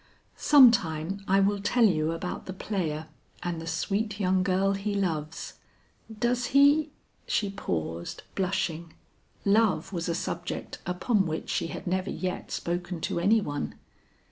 "Sometime I will tell you about the player and the sweet young girl he loves." "Does he " she paused, blushing; love was a subject upon which she had never yet spoken to any one.